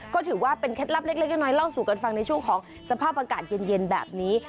ก็ถือว่าเป็นเคล็ดลับเล็กน้อยเล่าสู่กันฟังในช่วงของสภาพอากาศเย็นแบบนี้